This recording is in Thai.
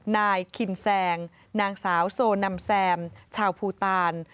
นายคินแซงนางสาวโซนำแซมชาวภูตาล